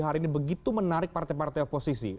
hari ini begitu menarik partai partai oposisi